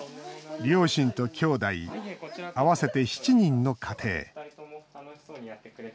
両親と、きょうだい合わせて７人の家庭。